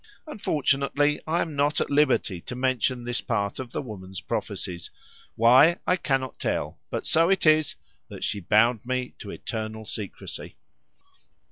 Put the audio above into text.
Unfortunately I am not at liberty to mention this part of the woman's prophecies; why, I cannot tell, but so it is, that she bound me to eternal secrecy.